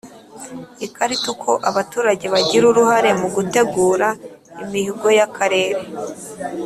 Ikarita uko abaturage bagira uruhare mu gutegura imihigo y akarere